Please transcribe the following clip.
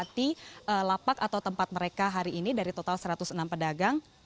di lapak atau tempat mereka hari ini dari total satu ratus enam pedagang